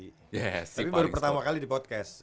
tapi baru pertama kali di podcast